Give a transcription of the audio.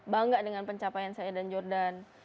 bangga dengan pencapaian saya dan jordan